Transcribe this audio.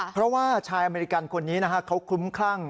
เพราะว่าชายอเมริกันคนนี้นะฮะเขาคลุ้มคลั่ง